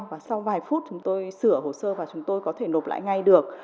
và sau vài phút chúng tôi sửa hồ sơ và chúng tôi có thể nộp lại ngay được